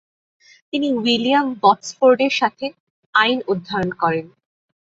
তিনি উইলিয়াম বটসফোর্ডের সাথে আইন অধ্যয়ন করেন।